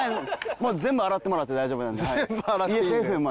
もう全部洗ってもらって大丈夫なんで。